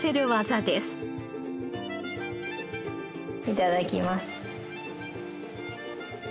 いただきます。